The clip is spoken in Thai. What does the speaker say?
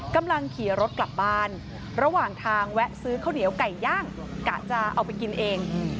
กำลังขี่รถกลับบ้านระหว่างทางแวะซื้อข้าวเหนียวไก่ย่างกะจะเอาไปกินเอง